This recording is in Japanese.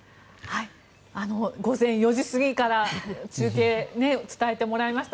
午前４時過ぎから中継伝えてもらいました。